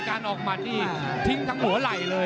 การออกหมัดนี่ทิ้งทั้งหัวไหล่เลย